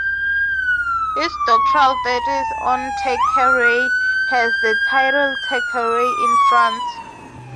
His doctoral thesis on Thackeray has the title "Thackeray in France".